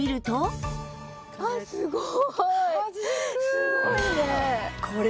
すごいね！